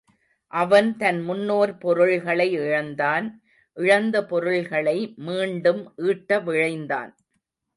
அவன் தன் முன்னோர் பொருள்களை இழந்தான் இழந்த பொருள்களை மீண்டும் ஈட்ட விழைந்தான்.